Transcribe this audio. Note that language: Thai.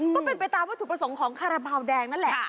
ก็เป็นไปตามวัตถุประสงค์ของคาราบาลแดงนั่นแหละ